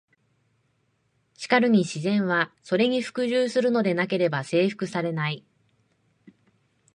しかるに「自然は、それに服従するのでなければ征服されない」。